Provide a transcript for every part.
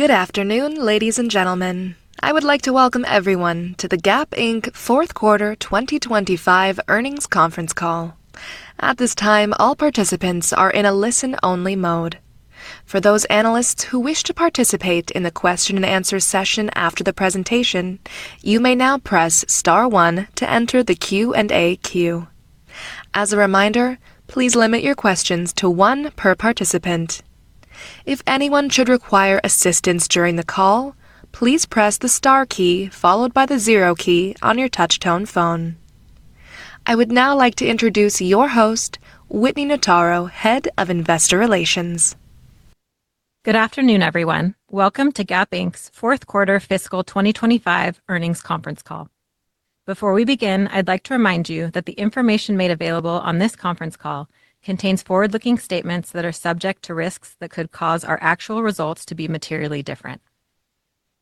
Good afternoon, ladies and gentlemen. I would like to welcome everyone to the Gap Inc. fourth quarter 2025 earnings conference call. At this time, all participants are in a listen-only mode. For those analysts who wish to participate in the question and answer session after the presentation, you may now press star one to enter the Q&A queue. As a reminder, please limit your questions to one per participant. If anyone should require assistance during the call, please press the star key followed by the zero key on your touchtone phone. I would now like to introduce your host, Whitney Notaro, Head of Investor Relations. Good afternoon, everyone. Welcome to Gap Inc.'s fourth quarter fiscal 2025 earnings conference call. Before we begin, I'd like to remind you that the information made available on this conference call contains forward-looking statements that are subject to risks that could cause our actual results to be materially different.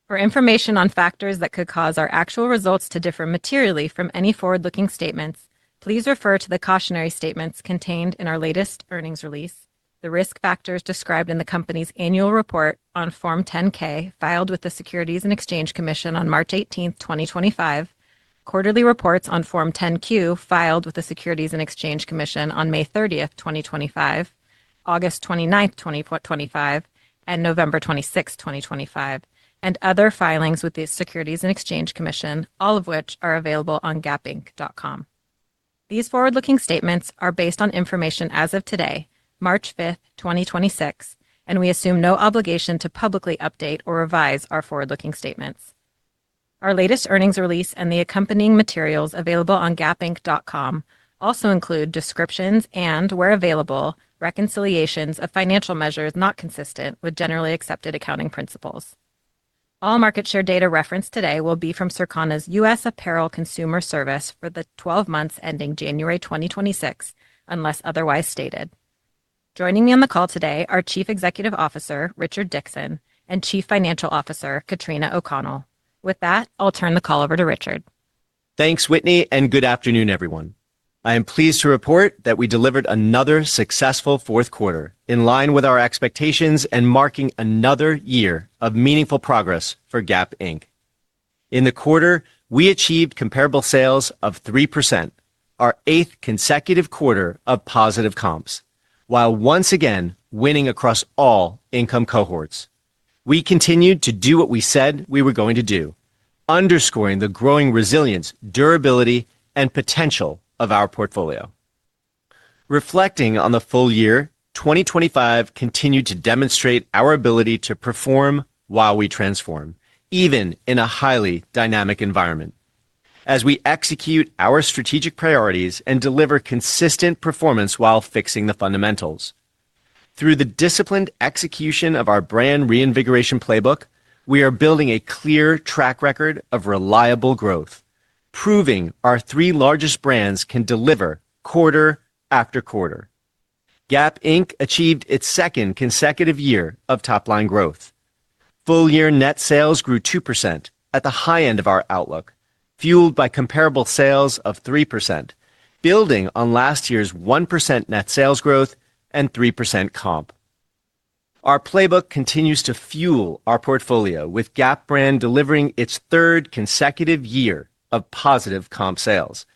For information on factors that could cause our actual results to differ materially from any forward-looking statements, please refer to the cautionary statements contained in our latest earnings release, the risk factors described in the company's annual report on Form 10-K filed with the Securities and Exchange Commission on March 18th, 2025, quarterly reports on Form 10-Q filed with the Securities and Exchange Commission on May 30th, 2025, August 29th, 2025, and November 26th, 2025, and other filings with the Securities and Exchange Commission, all of which are available on gapinc.com. These forward-looking statements are based on information as of today, March 5th, 2026, and we assume no obligation to publicly update or revise our forward-looking statements. Our latest earnings release and the accompanying materials available on gapinc.com also include descriptions and, where available, reconciliations of financial measures not consistent with generally accepted accounting principles. All market share data referenced today will be from Circana's U.S. Apparel Consumer Service for the 12 months ending January 2026, unless otherwise stated. Joining me on the call today are Chief Executive Officer, Richard Dickson, and Chief Financial Officer, Katrina O'Connell. With that, I'll turn the call over to Richard. Thanks, Whitney. Good afternoon, everyone. I am pleased to report that we delivered another successful fourth quarter in line with our expectations and marking another year of meaningful progress for Gap Inc. In the quarter, we achieved comparable sales of 3%, our eighth consecutive quarter of positive comps, while once again winning across all income cohorts. We continued to do what we said we were going to do, underscoring the growing resilience, durability, and potential of our portfolio. Reflecting on the full year, 2025 continued to demonstrate our ability to perform while we transform, even in a highly dynamic environment as we execute our strategic priorities and deliver consistent performance while fixing the fundamentals. Through the disciplined execution of our brand reinvigoration playbook, we are building a clear track record of reliable growth, proving our three largest brands can deliver quarter after quarter. Gap Inc. achieved its second consecutive year of top-line growth. Full-year net sales grew 2% at the high end of our outlook, fueled by comparable sales of 3%, building on last year's 1% net sales growth and 3% comp. Our playbook continues to fuel our portfolio with Gap brand delivering its third consecutive year of positive comp sales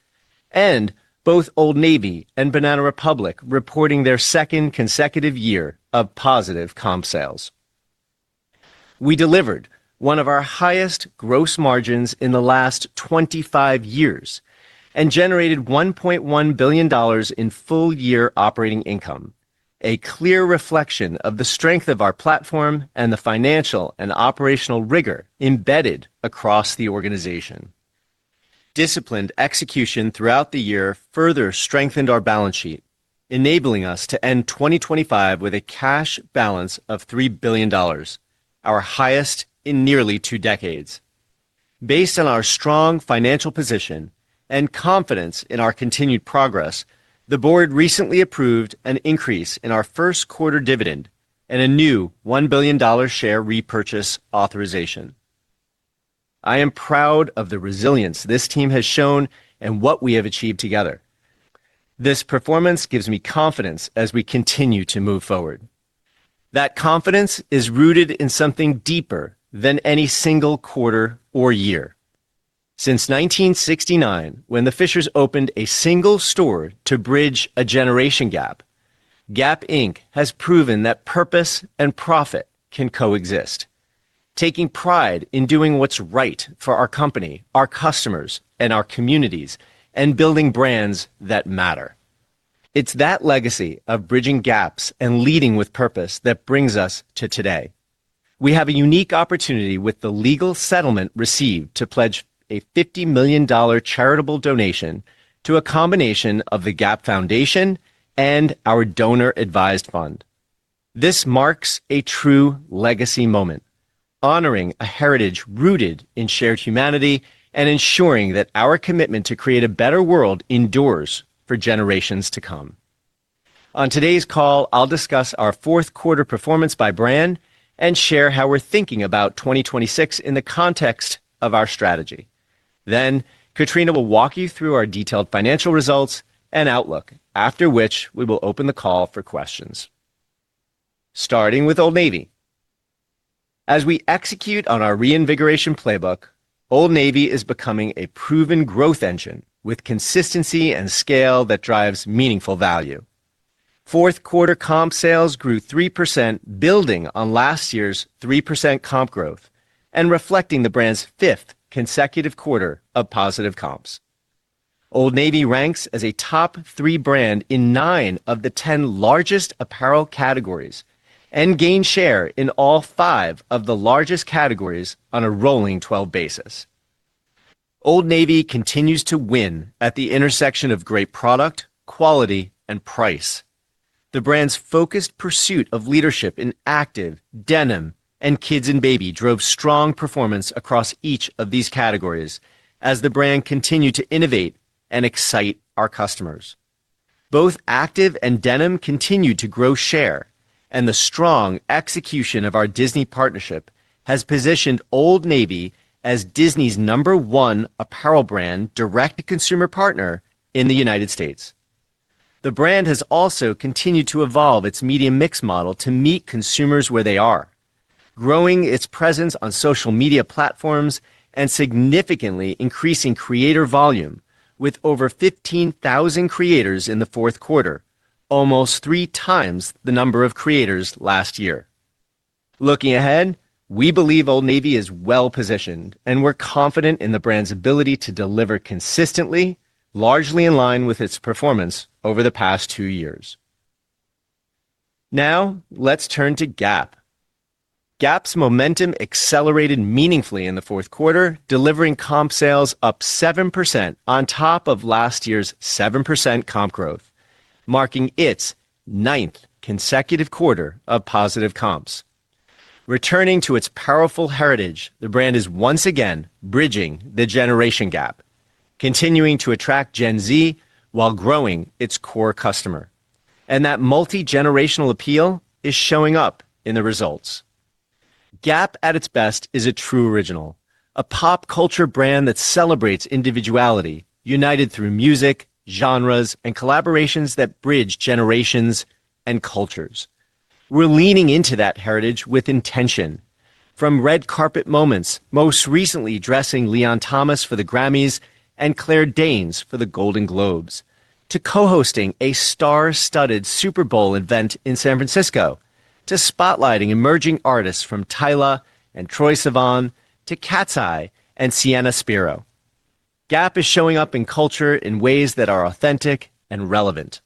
and both Old Navy and Banana Republic reporting their second consecutive year of positive comp sales. We delivered one of our highest gross margins in the last 25 years and generated $1.1 billion in full year operating income, a clear reflection of the strength of our platform and the financial and operational rigor embedded across the organization. Disciplined execution throughout the year further strengthened our balance sheet, enabling us to end 2025 with a cash balance of $3 billion, our highest in nearly two decades. Based on our strong financial position and confidence in our continued progress, the board recently approved an increase in our first quarter dividend and a new $1 billion share repurchase authorization. I am proud of the resilience this team has shown and what we have achieved together. This performance gives me confidence as we continue to move forward. That confidence is rooted in something deeper than any single quarter or year. Since 1969, when the Fishers opened a single store to bridge a generation gap, Gap Inc. has proven that purpose and profit can coexist, taking pride in doing what's right for our company, our customers, and our communities, and building brands that matter. It's that legacy of bridging gaps and leading with purpose that brings us to today. We have a unique opportunity with the legal settlement received to pledge a $50 million charitable donation to a combination of the Gap Foundation and our donor-advised fund. This marks a true legacy moment, honoring a heritage rooted in shared humanity and ensuring that our commitment to create a better world endures for generations to come. On today's call, I'll discuss our fourth quarter performance by brand and share how we're thinking about 2026 in the context of our strategy. Katrina will walk you through our detailed financial results and outlook. After which, we will open the call for questions. Starting with Old Navy. As we execute on our reinvigoration playbook, Old Navy is becoming a proven growth engine with consistency and scale that drives meaningful value. Fourth quarter comp sales grew 3% building on last year's 3% comp growth and reflecting the brand's fifth consecutive quarter of positive comps. Old Navy ranks as a top three brand in nine of the 10 largest apparel categories and gained share in all five of the largest categories on a rolling 12 basis. Old Navy continues to win at the intersection of great product, quality and price. The brand's focused pursuit of leadership in active, denim, and kids and baby drove strong performance across each of these categories as the brand continued to innovate and excite our customers. Both active and denim continued to grow share, and the strong execution of our Disney partnership has positioned Old Navy as Disney's number one apparel brand direct-to-consumer partner in the United States. The brand has also continued to evolve its media mix model to meet consumers where they are. Growing its presence on social media platforms and significantly increasing creator volume with over 15,000 creators in the fourth quarter, almost 3x the number of creators last year. Looking ahead, we believe Old Navy is well positioned, and we're confident in the brand's ability to deliver consistently, largely in line with its performance over the past two years. Now let's turn to Gap. Gap's momentum accelerated meaningfully in the fourth quarter, delivering comp sales up 7% on top of last year's 7% comp growth, marking its ninth consecutive quarter of positive comps. Returning to its powerful heritage, the brand is once again bridging the generation gap, continuing to attract Gen Z while growing its core customer. That multi-generational appeal is showing up in the results. Gap at its best is a true original, a pop culture brand that celebrates individuality, united through music, genres, and collaborations that bridge generations and cultures. We're leaning into that heritage with intention. From red carpet moments, most recently dressing Leon Thomas for the Grammys and Claire Danes for the Golden Globes, to co-hosting a star-studded Super Bowl event in San Francisco, to spotlighting emerging artists from Tyla and Troye Sivan to KATSEYE and Sienna Spiro. Gap is showing up in culture in ways that are authentic and relevant.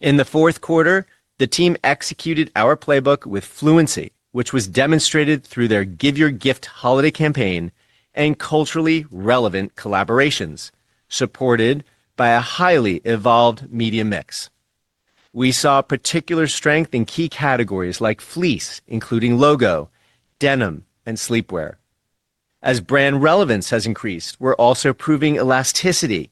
In the fourth quarter, the team executed our playbook with fluency, which was demonstrated through their Give Your Gift holiday campaign and culturally relevant collaborations supported by a highly evolved media mix. We saw particular strength in key categories like fleece, including logo, denim, and sleepwear. As brand relevance has increased, we're also proving elasticity.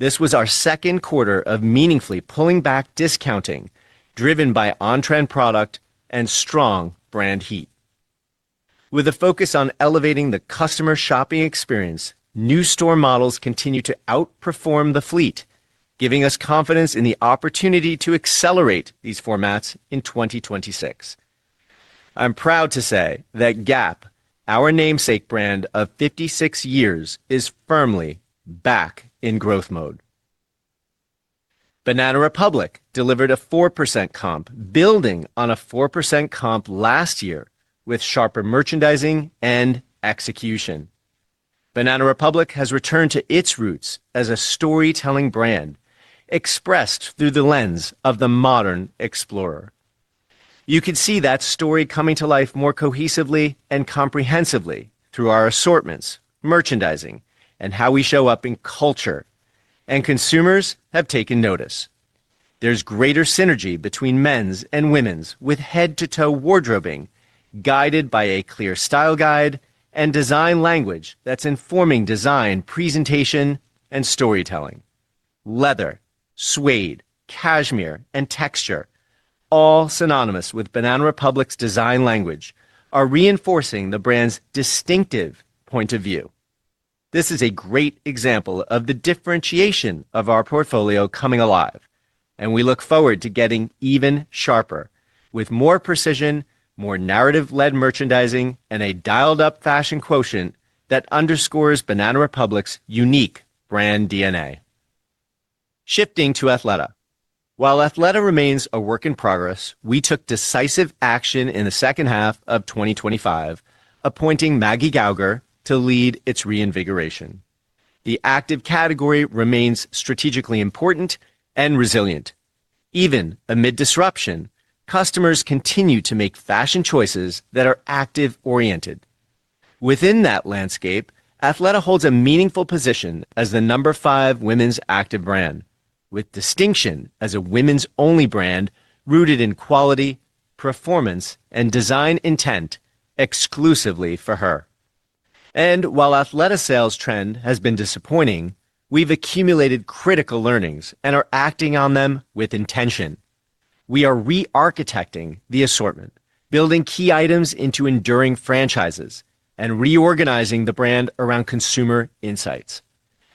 This was our second quarter of meaningfully pulling back discounting driven by on-trend product and strong brand heat. With a focus on elevating the customer shopping experience, new store models continue to outperform the fleet, giving us confidence in the opportunity to accelerate these formats in 2026. I'm proud to say that Gap, our namesake brand of 56 years, is firmly back in growth mode. Banana Republic delivered a 4% comp building on a 4% comp last year with sharper merchandising and execution. Banana Republic has returned to its roots as a storytelling brand expressed through the lens of the modern explorer. You can see that story coming to life more cohesively and comprehensively through our assortments, merchandising, and how we show up in culture, and consumers have taken notice. There's greater synergy between men's and women's with head-to-toe wardrobing, guided by a clear style guide and design language that's informing design, presentation, and storytelling. Leather, suede, cashmere, and texture, all synonymous with Banana Republic's design language, are reinforcing the brand's distinctive point of view. This is a great example of the differentiation of our portfolio coming alive, and we look forward to getting even sharper with more precision, more narrative-led merchandising, and a dialed-up fashion quotient that underscores Banana Republic's unique brand DNA. Shifting to Athleta. While Athleta remains a work in progress, we took decisive action in the second half of 2025, appointing Maggie Gauger to lead its reinvigoration. The active category remains strategically important and resilient. Even amid disruption, customers continue to make fashion choices that are active-oriented. Within that landscape, Athleta holds a meaningful position as the number five women's active brand with distinction as a women's-only brand rooted in quality, performance, and design intent exclusively for her. While Athleta sales trend has been disappointing, we've accumulated critical learnings and are acting on them with intention. We are re-architecting the assortment building key items into enduring franchises and reorganizing the brand around consumer insights.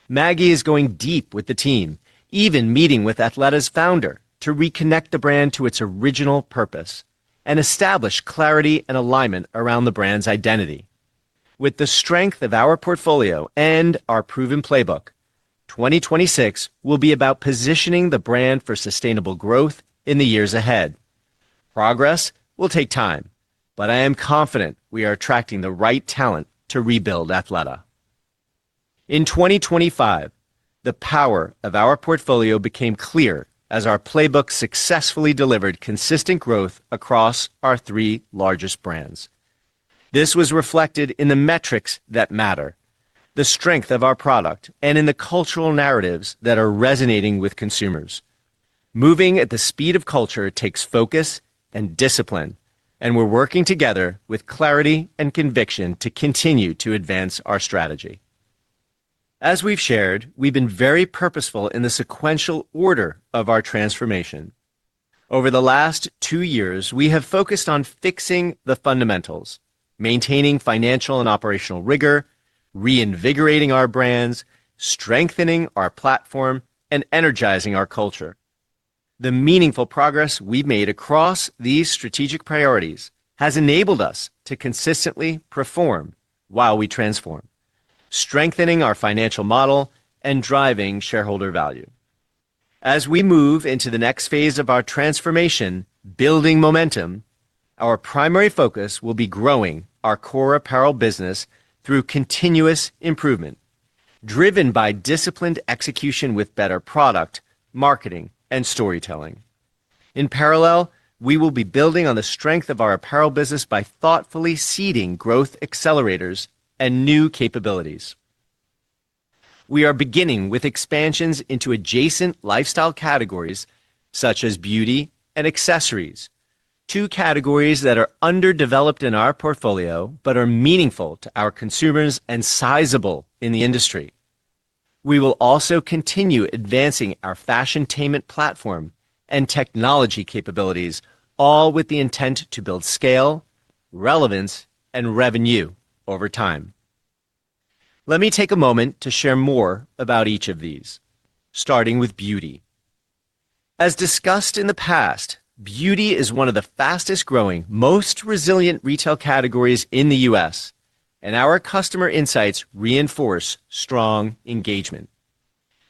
Maggie is going deep with the team even meeting with Athleta's founder to reconnect the brand to its original purpose and establish clarity and alignment around the brand's identity. With the strength of our portfolio and our proven playbook, 2026 will be about positioning the brand for sustainable growth in the years ahead. Progress will take time, but I am confident we are attracting the right talent to rebuild Athleta. In 2025, the power of our portfolio became clear as our playbook successfully delivered consistent growth across our three largest brands. This was reflected in the metrics that matter, the strength of our product, and in the cultural narratives that are resonating with consumers. Moving at the speed of culture takes focus and discipline, and we're working together with clarity and conviction to continue to advance our strategy. As we've shared, we've been very purposeful in the sequential order of our transformation. Over the last two years, we have focused on fixing the fundamentals, maintaining financial and operational rigor, reinvigorating our brands, strengthening our platform, and energizing our culture. The meaningful progress we've made across these strategic priorities has enabled us to consistently perform while we transform, strengthening our financial model and driving shareholder value. As we move into the next phase of our transformation, building momentum, our primary focus will be growing our core apparel business through continuous improvement driven by disciplined execution with better product, marketing, and storytelling. In parallel, we will be building on the strength of our apparel business by thoughtfully seeding growth accelerators and new capabilities. We are beginning with expansions into adjacent lifestyle categories such as beauty and accessories, two categories that are underdeveloped in our portfolio but are meaningful to our consumers and sizable in the industry. We will also continue advancing our Fashiontainment platform and technology capabilities, all with the intent to build scale, relevance, and revenue over time. Let me take a moment to share more about each of these, starting with beauty. As discussed in the past, beauty is one of the fastest-growing, most resilient retail categories in the U.S., and our customer insights reinforce strong engagement.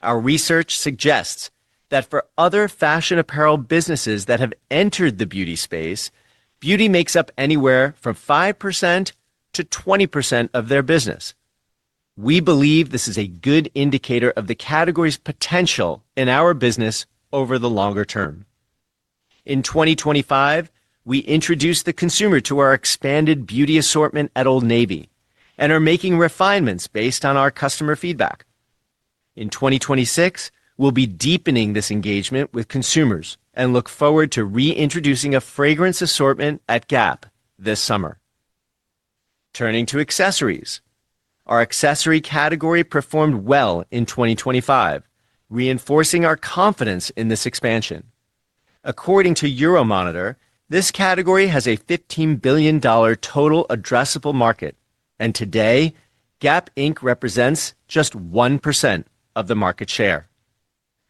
Our research suggests that for other fashion apparel businesses that have entered the beauty space, beauty makes up anywhere from 5%-20% of their business. We believe this is a good indicator of the category's potential in our business over the longer term. In 2025, we introduced the consumer to our expanded beauty assortment at Old Navy and are making refinements based on our customer feedback. In 2026, we'll be deepening this engagement with consumers and look forward to reintroducing a fragrance assortment at Gap this summer. Turning to accessories. Our accessory category performed well in 2025, reinforcing our confidence in this expansion. According to Euromonitor, this category has a $15 billion total addressable market. Today Gap Inc. represents just 1% of the market share.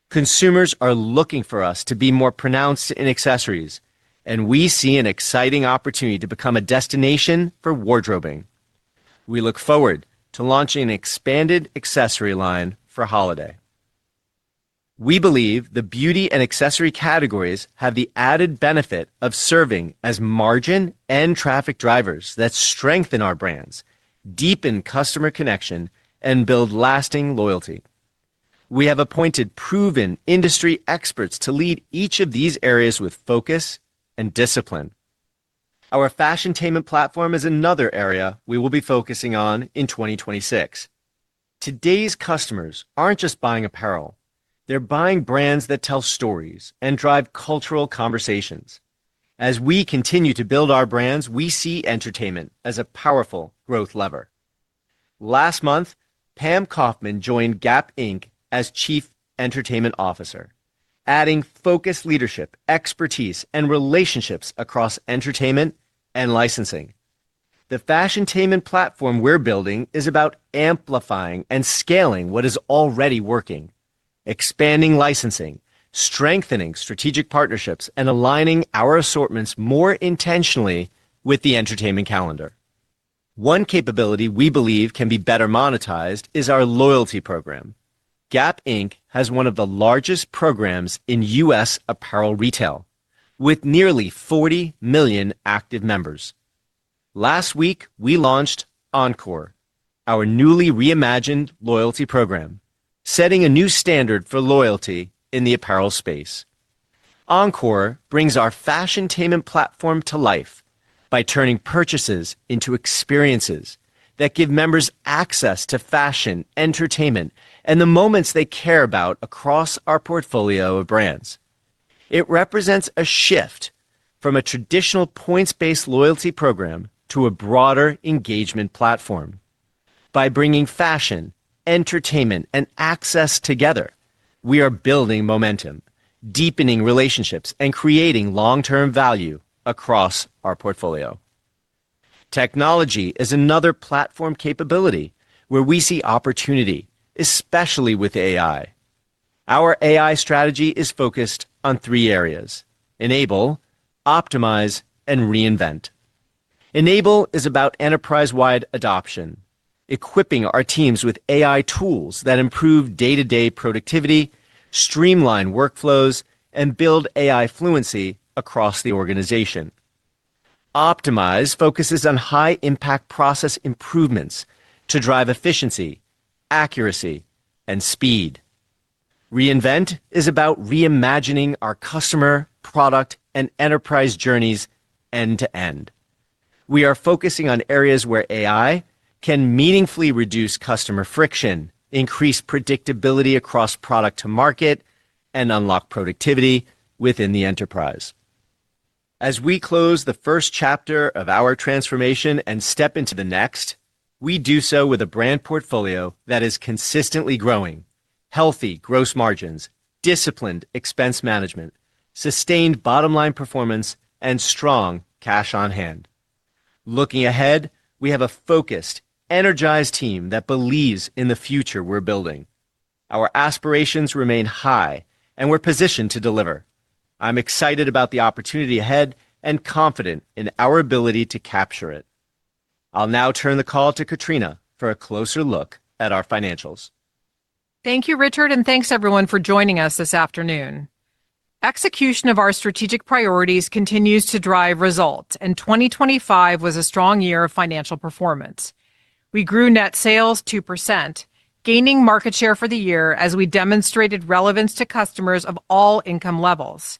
Consumers are looking for us to be more pronounced in accessories. We see an exciting opportunity to become a destination for wardrobing. We look forward to launching an expanded accessory line for holiday. We believe the beauty and accessory categories have the added benefit of serving as margin and traffic drivers that strengthen our brands, deepen customer connection, and build lasting loyalty. We have appointed proven industry experts to lead each of these areas with focus and discipline. Our Fashiontainment platform is another area we will be focusing on in 2026. Today's customers aren't just buying apparel, they're buying brands that tell stories and drive cultural conversations. As we continue to build our brands, we see entertainment as a powerful growth lever. Last month, Pam Kaufman joined Gap Inc. as Chief Entertainment Officer, adding focused leadership, expertise, and relationships across entertainment and licensing. The fashiontainment platform we're building is about amplifying and scaling what is already working, expanding licensing, strengthening strategic partnerships, and aligning our assortments more intentionally with the entertainment calendar. One capability we believe can be better monetized is our loyalty program. Gap Inc. has one of the largest programs in U.S. apparel retail with nearly 40 million active members. Last week, we launched Encore, our newly reimagined loyalty program, setting a new standard for loyalty in the apparel space. Encore brings our fashiontainment platform to life by turning purchases into experiences that give members access to fashion, entertainment, and the moments they care about across our portfolio of brands. It represents a shift from a traditional points-based loyalty program to a broader engagement platform. By bringing fashion, entertainment, and access together, we are building momentum, deepening relationships, and creating long-term value across our portfolio. Technology is another platform capability where we see opportunity, especially with AI. Our AI strategy is focused on three areas: enable, optimize, and reinvent. Enable is about enterprise-wide adoption, equipping our teams with AI tools that improve day-to-day productivity, streamline workflows, and build AI fluency across the organization. Optimize focuses on high-impact process improvements to drive efficiency, accuracy, and speed. Reinvent is about reimagining our customer, product, and enterprise journeys end to end. We are focusing on areas where AI can meaningfully reduce customer friction, increase predictability across product to market, and unlock productivity within the enterprise. As we close the first chapter of our transformation and step into the next, we do so with a brand portfolio that is consistently growing, healthy gross margins, disciplined expense management, sustained bottom-line performance, and strong cash on hand. Looking ahead, we have a focused, energized team that believes in the future we're building. Our aspirations remain high, and we're positioned to deliver. I'm excited about the opportunity ahead and confident in our ability to capture it. I'll now turn the call to Katrina for a closer look at our financials. Thank you, Richard. Thanks everyone for joining us this afternoon. Execution of our strategic priorities continues to drive results. 2025 was a strong year of financial performance. We grew net sales 2%, gaining market share for the year as we demonstrated relevance to customers of all income levels.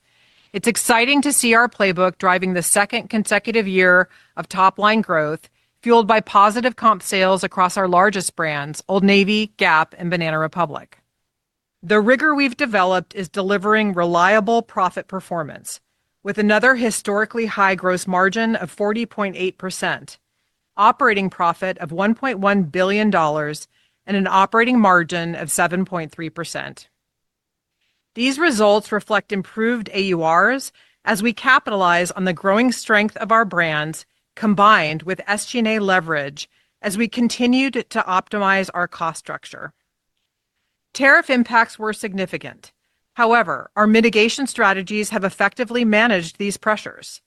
It's exciting to see our playbook driving the second consecutive year of top-line growth, fueled by positive comp sales across our largest brands, Old Navy, Gap, and Banana Republic. The rigor we've developed is delivering reliable profit performance with another historically high gross margin of 40.8%, operating profit of $1.1 billion and an operating margin of 7.3%. These results reflect improved AURs as we capitalize on the growing strength of our brands, combined with SG&A leverage as we continued to optimize our cost structure. Tariff impacts were significant. However, our mitigation strategies have effectively managed these pressures.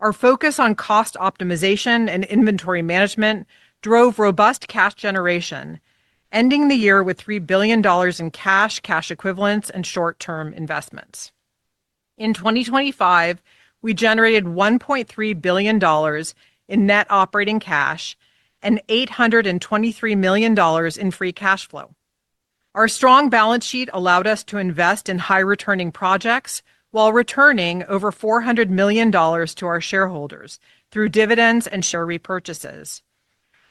Our focus on cost optimization and inventory management drove robust cash generation, ending the year with $3 billion in cash equivalents, and short-term investments. In 2025, we generated $1.3 billion in net operating cash and $823 million in free cash flow. Our strong balance sheet allowed us to invest in high-returning projects while returning over $400 million to our shareholders through dividends and share repurchases.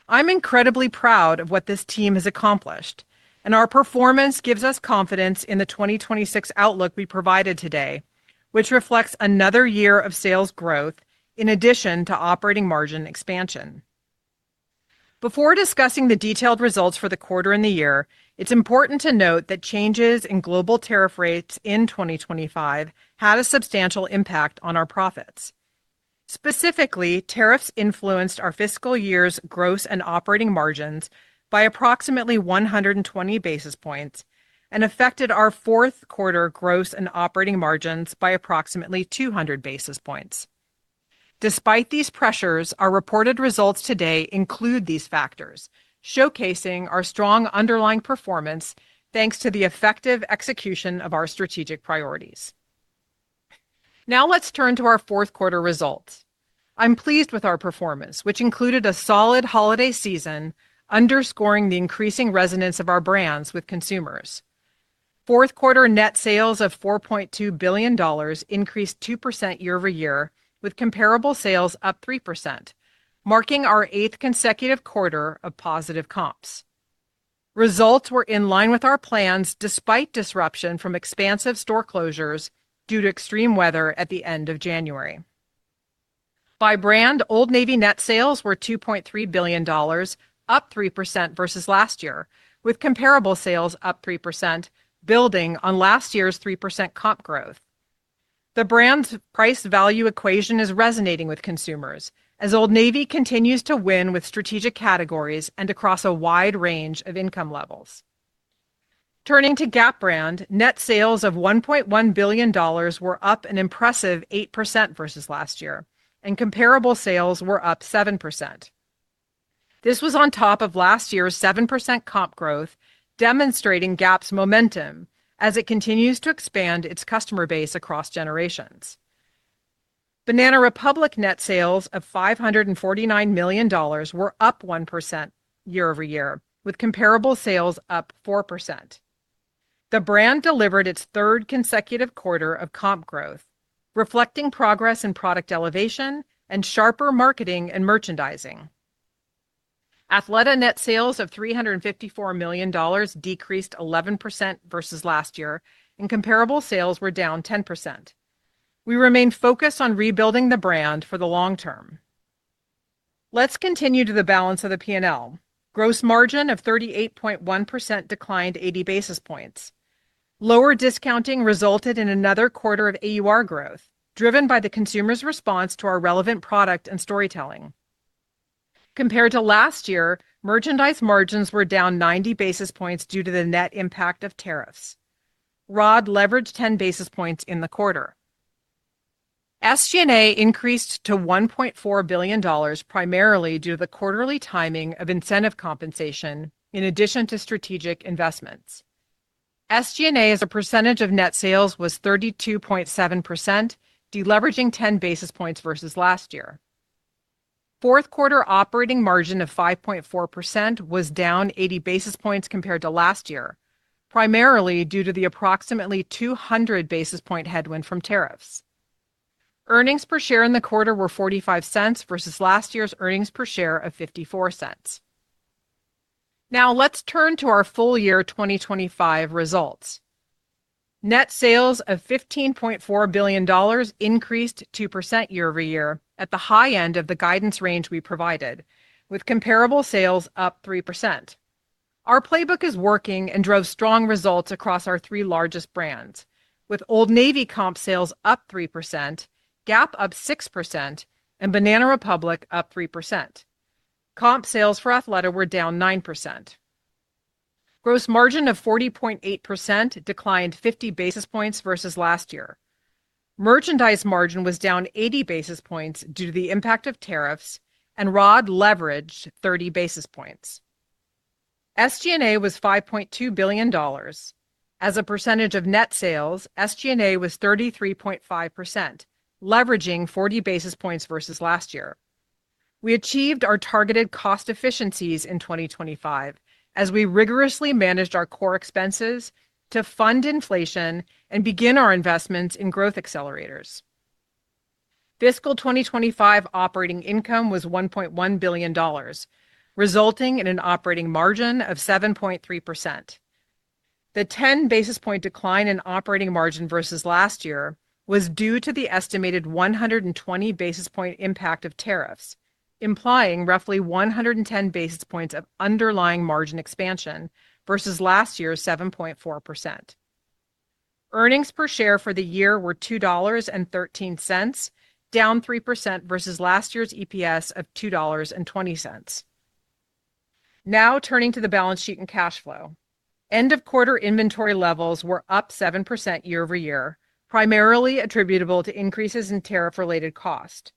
I'm incredibly proud of what this team has accomplished, and our performance gives us confidence in the 2026 outlook we provided today, which reflects another year of sales growth in addition to operating margin expansion. Before discussing the detailed results for the quarter and the year, it's important to note that changes in global tariff rates in 2025 had a substantial impact on our profits. Specifically, tariffs influenced our fiscal year's gross and operating margins by approximately 120 basis points and affected our fourth quarter gross and operating margins by approximately 200 basis points. Despite these pressures, our reported results today include these factors, showcasing our strong underlying performance thanks to the effective execution of our strategic priorities. Let's turn to our fourth quarter results. I'm pleased with our performance, which included a solid holiday season underscoring the increasing resonance of our brands with consumers. Fourth quarter net sales of $4.2 billion increased 2% year-over-year, with comparable sales up 3%, marking our eighth consecutive quarter of positive comps. Results were in line with our plans despite disruption from expansive store closures due to extreme weather at the end of January. By brand, Old Navy net sales were $2.3 billion, up 3% versus last year, with comparable sales up 3%, building on last year's 3% comp growth. The brand's price value equation is resonating with consumers as Old Navy continues to win with strategic categories and across a wide range of income levels. Turning to Gap brand, net sales of $1.1 billion were up an impressive 8% versus last year, and comparable sales were up 7%. This was on top of last year's 7% comp growth, demonstrating Gap's momentum as it continues to expand its customer base across generations. Banana Republic net sales of $549 million were up 1% year-over-year, with comparable sales up 4%. The brand delivered its third consecutive quarter of comp growth, reflecting progress in product elevation and sharper marketing and merchandising. Athleta net sales of $354 million decreased 11% versus last year, and comparable sales were down 10%. We remain focused on rebuilding the brand for the long term. Let's continue to the balance of the P&L. Gross margin of 38.1% declined 80 basis points. Lower discounting resulted in another quarter of AUR growth, driven by the consumer's response to our relevant product and storytelling. Compared to last year, merchandise margins were down 90 basis points due to the net impact of tariffs. ROD leveraged 10 basis points in the quarter. SG&A increased to $1.4 billion, primarily due to the quarterly timing of incentive compensation in addition to strategic investments. SG&A as a percentage of net sales was 32.7%, deleveraging 10 basis points versus last year. Fourth quarter operating margin of 5.4% was down 80 basis points compared to last year, primarily due to the approximately 200 basis point headwind from tariffs. Earnings per share in the quarter were $0.45 versus last year's earnings per share of $0.54. Let's turn to our full year 2025 results. Net sales of $15.4 billion increased 2% year-over-year at the high end of the guidance range we provided, with comparable sales up 3%. Our playbook is working and drove strong results across our three largest brands. With Old Navy comp sales up 3%, Gap up 6%, and Banana Republic up 3%. Comp sales for Athleta were down 9%. Gross margin of 40.8% declined 50 basis points versus last year. Merchandise margin was down 80 basis points due to the impact of tariffs and ROD leveraged 30 basis points. SG&A was $5.2 billion. As a percentage of net sales, SG&A was 33.5%, leveraging 40 basis points versus last year. We achieved our targeted cost efficiencies in 2025 as we rigorously managed our core expenses to fund inflation and begin our investments in growth accelerators. Fiscal 2025 operating income was $1.1 billion, resulting in an operating margin of 7.3%. The 10 basis point decline in operating margin versus last year was due to the estimated 120 basis point impact of tariffs, implying roughly 110 basis points of underlying margin expansion versus last year's 7.4%. Earnings per share for the year were $2.13, down 3% versus last year's EPS of $2.20. Turning to the balance sheet and cash flow. End of quarter inventory levels were up 7% year-over-year, primarily attributable to increases in tariff related cost.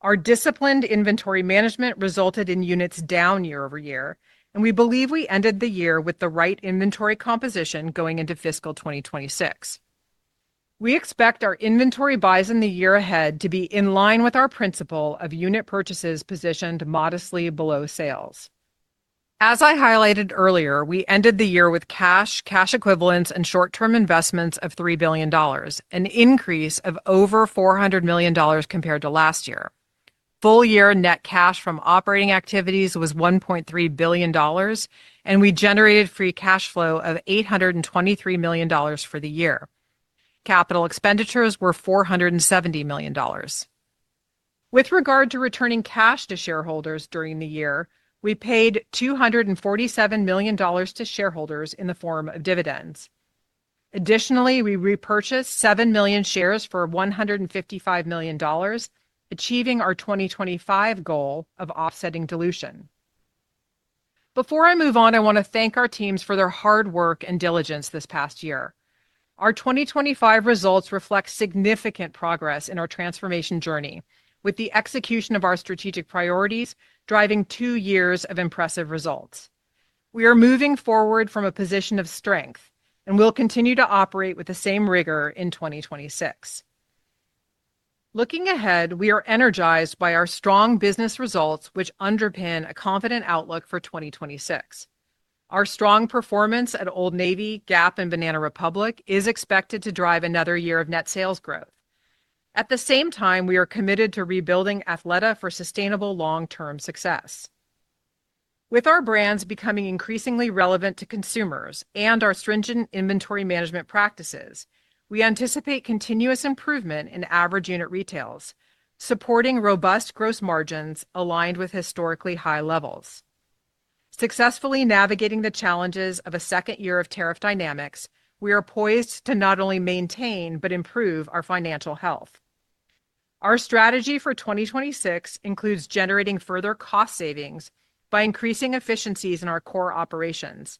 Our disciplined inventory management resulted in units down year-over-year, and we believe we ended the year with the right inventory composition going into fiscal 2026. We expect our inventory buys in the year ahead to be in line with our principle of unit purchases positioned modestly below sales. As I highlighted earlier, we ended the year with cash equivalents, and short-term investments of $3 billion, an increase of over $400 million compared to last year. Full year net cash from operating activities was $1.3 billion, and we generated free cash flow of $823 million for the year. Capital expenditures were $470 million. With regard to returning cash to shareholders during the year, we paid $247 million to shareholders in the form of dividends. Additionally, we repurchased 7 million shares for $155 million, achieving our 2025 goal of offsetting dilution. Before I move on, I want to thank our teams for their hard work and diligence this past year. Our 2025 results reflect significant progress in our transformation journey with the execution of our strategic priorities driving two years of impressive results. We are moving forward from a position of strength and will continue to operate with the same rigor in 2026. Looking ahead, we are energized by our strong business results which underpin a confident outlook for 2026. Our strong performance at Old Navy, Gap, and Banana Republic is expected to drive another year of net sales growth. At the same time, we are committed to rebuilding Athleta for sustainable long-term success. With our brands becoming increasingly relevant to consumers and our stringent inventory management practices, we anticipate continuous improvement in average unit retails, supporting robust gross margins aligned with historically high levels. Successfully navigating the challenges of a second year of tariff dynamics, we are poised to not only maintain but improve our financial health. Our strategy for 2026 includes generating further cost savings by increasing efficiencies in our core operations,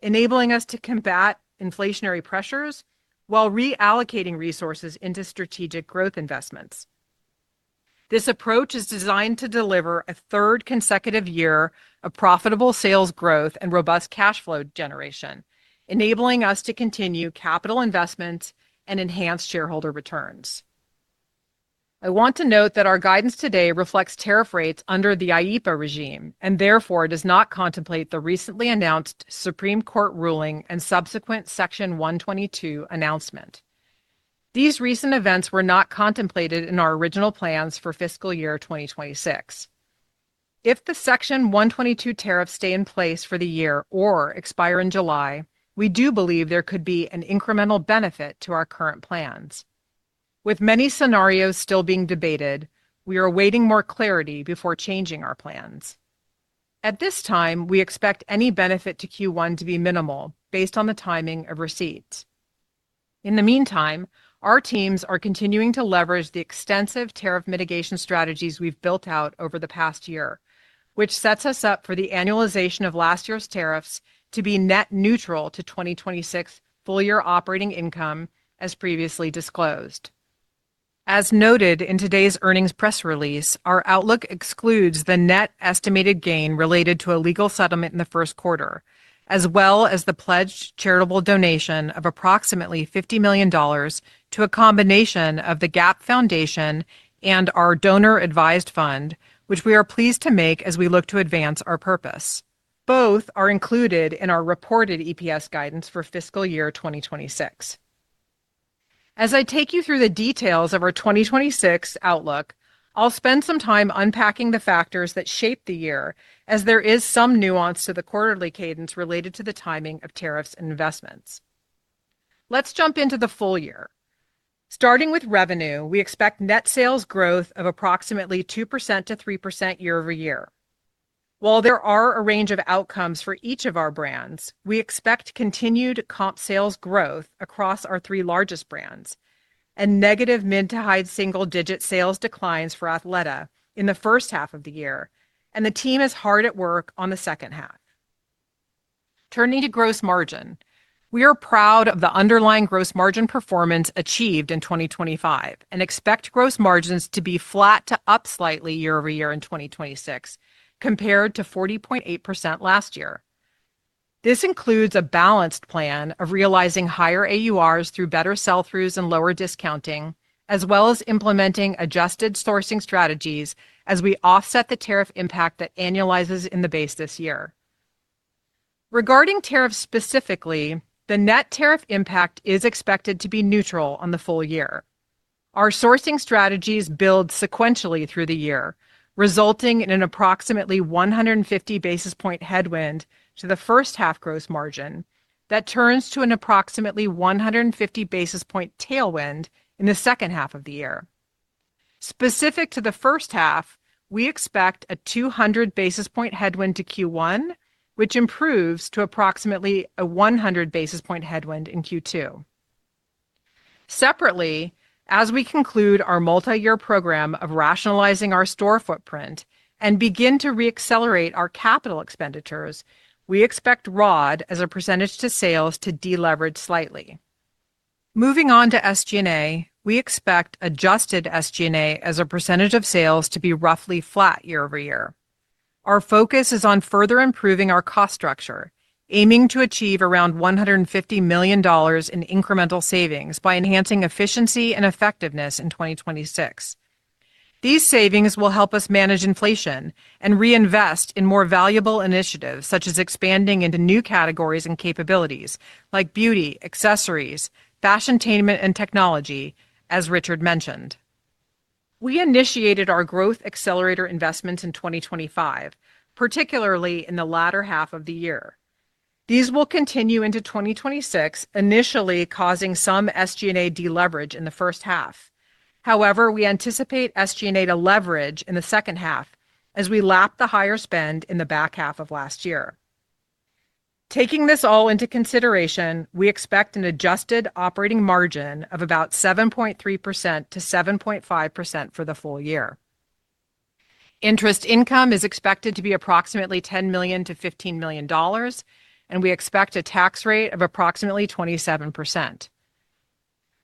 enabling us to combat inflationary pressures while reallocating resources into strategic growth investments. This approach is designed to deliver a third consecutive year of profitable sales growth and robust cash flow generation, enabling us to continue capital investments and enhance shareholder returns. I want to note that our guidance today reflects tariff rates under the IEEPA regime and therefore does not contemplate the recently announced Supreme Court ruling and subsequent Section 122 announcement. These recent events were not contemplated in our original plans for fiscal year 2026. If the Section 122 tariffs stay in place for the year or expire in July, we do believe there could be an incremental benefit to our current plans. With many scenarios still being debated, we are awaiting more clarity before changing our plans. At this time, we expect any benefit to Q1 to be minimal based on the timing of receipts. In the meantime, our teams are continuing to leverage the extensive tariff mitigation strategies we've built out over the past year, which sets us up for the annualization of last year's tariffs to be net neutral to 2026 full year operating income as previously disclosed. As noted in today's earnings press release, our outlook excludes the net estimated gain related to a legal settlement in the first quarter, as well as the pledged charitable donation of approximately $50 million to a combination of The Gap Foundation and our donor-advised fund, which we are pleased to make as we look to advance our purpose. Both are included in our reported EPS guidance for fiscal year 2026. As I take you through the details of our 2026 outlook, I'll spend some time unpacking the factors that shape the year as there is some nuance to the quarterly cadence related to the timing of tariffs and investments. Let's jump into the full year. Starting with revenue, we expect net sales growth of approximately 2%-3% year-over-year. While there are a range of outcomes for each of our brands, we expect continued comp sales growth across our three largest brands and negative mid to high single-digit sales declines for Athleta in the first half of the year. The team is hard at work on the second half. Turning to gross margin, we are proud of the underlying gross margin performance achieved in 2025 and expect gross margins to be flat to up slightly year-over-year in 2026 compared to 40.8% last year. This includes a balanced plan of realizing higher AURs through better sell-throughs and lower discounting, as well as implementing adjusted sourcing strategies as we offset the tariff impact that annualizes in the base this year. Regarding tariffs specifically, the net tariff impact is expected to be neutral on the full year. Our sourcing strategies build sequentially through the year, resulting in an approximately 150 basis point headwind to the first half gross margin that turns to an approximately 150 basis point tailwind in the second half of the year. Specific to the first half, we expect a 200 basis point headwind to Q1, which improves to approximately a 100 basis point headwind in Q2. Separately, as we conclude our multi-year program of rationalizing our store footprint and begin to reaccelerate our capital expenditures, we expect ROD as a percentage to sales to deleverage slightly. Moving on to SG&A, we expect adjusted SG&A as a percentage of sales to be roughly flat year-over-year. Our focus is on further improving our cost structure, aiming to achieve around $150 million in incremental savings by enhancing efficiency and effectiveness in 2026. These savings will help us manage inflation and reinvest in more valuable initiatives, such as expanding into new categories and capabilities like beauty, accessories, Fashiontainment, and technology, as Richard mentioned. We initiated our growth accelerator investments in 2025, particularly in the latter half of the year. These will continue into 2026, initially causing some SG&A deleverage in the first half. We anticipate SG&A to leverage in the second half as we lap the higher spend in the back half of last year. Taking this all into consideration, we expect an adjusted operating margin of about 7.3%-7.5% for the full year. Interest income is expected to be approximately $10 million-$15 million. We expect a tax rate of approximately 27%.